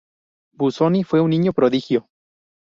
Busoni fue un niño prodigio.